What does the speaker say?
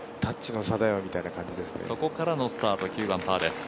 そこからのスタート、９番パーです。